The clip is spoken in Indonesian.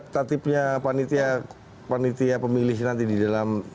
tatipnya panitia pemilih nanti di dalam